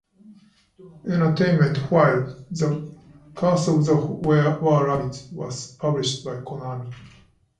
Entertainment, while "The Curse of the Were-Rabbit" was published by Konami.